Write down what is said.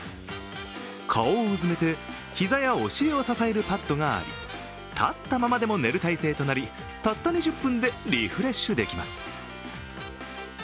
顔をうずめて膝やお尻を支えるパッドがあり立ったままでも寝る体勢となりたった２０分でリフレッシュできます。